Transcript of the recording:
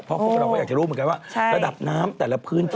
เพราะพวกเราก็อยากจะรู้เหมือนกันว่าระดับน้ำแต่ละพื้นที่